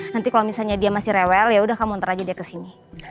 nanti kalau misalnya dia masih rewel yaudah kamu ntar aja dia kesini